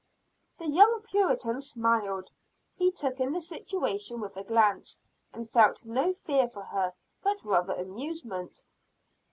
The young Puritan smiled, he took in the situation with a glance, and felt no fear for her but rather amusement.